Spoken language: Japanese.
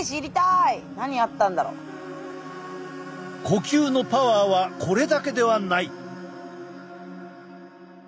呼吸のパワーはこれだけではない。